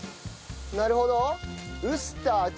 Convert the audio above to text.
なるほど。